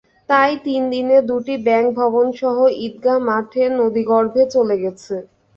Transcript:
তাই তিন দিনে দুটি ব্যাংক ভবনসহ ঈদগাহ মাঠ নদীগর্ভে চলে গেছে।